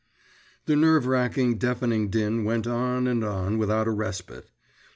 VII The nerve racking, deafening din went on and on without a respite.